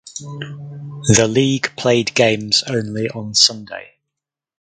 The league played games only on Sunday.